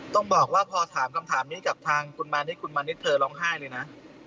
ต้องบอกว่าพอถามคำถามนี้กับทางคุณมานิดคุณมานิดเธอร้องไห้เลยนะ